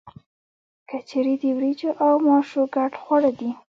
کچړي د وریجو او ماشو ګډ خواړه دي.